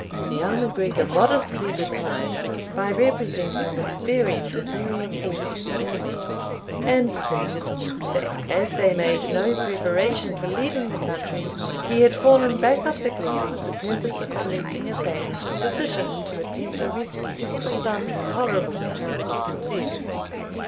The young MacGregor modestly replied, by representing the very superior force of the enemy, and stated, that as they made no preparation for leaving the country, he had fallen back up the glen with the purpose of collecting a band sufficient to attempt a rescue with some tolerable chance of success.